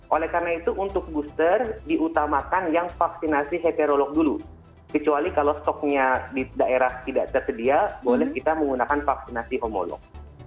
oleh karena itu untuk booster diutamakan yang vaksinasi heterolog dulu kecuali kalau stoknya di daerah tidak tersedia boleh kita menggunakan vaksinasi homolog